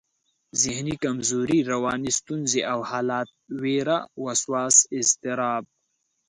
ذهني کمزوري، رواني ستونزې او حالت، وېره، وسواس، اضطراب